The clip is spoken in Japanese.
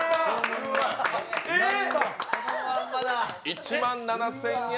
１万７０００円。